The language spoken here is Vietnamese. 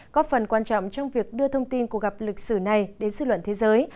có phần quan trọng trong việc đưa thông tin của gặp lịch sử này đến dư luận thế giới